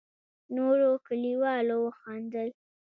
نورو کليوالو وخندل.